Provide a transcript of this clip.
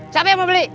siapa yang mau beli